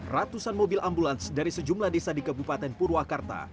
ratusan mobil ambulans dari sejumlah desa di kabupaten purwakarta